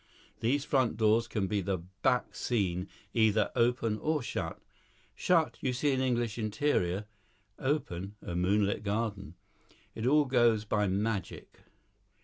These front doors can be the back scene, either open or shut. Shut, you see an English interior. Open, a moonlit garden. It all goes by magic."